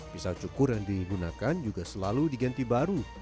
pisau cukur yang digunakan juga selalu diganti baru